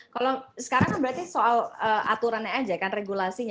kalau sekarang kan berarti soal aturannya aja kan regulasinya